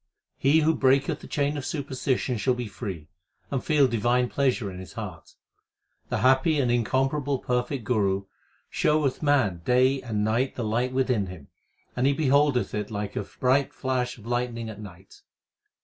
He who breaketh the chain of superstition shall be free, and feel divine pleasure in his heart. The happy and incomparable perfect Guru showeth man Day and night the light within him, and he beholdeth it Like a bright flash of lightning at night.